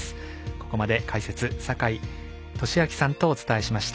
ここまで、解説坂井利彰さんとお伝えしました。